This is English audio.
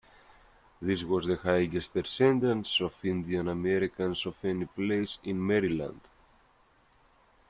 This was the highest percentage of Indian Americans of any place in Maryland.